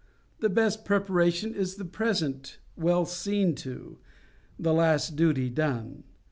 The best preparation is the present well seen to, the last duty done.